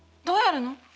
どうやるの？